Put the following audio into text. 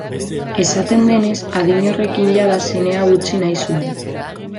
Esaten denez, adin horrekin jada zinea utzi nahi zuen.